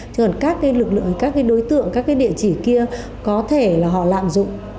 chứ còn các cái lực lượng các cái đối tượng các cái địa chỉ kia có thể là họ lạm dụng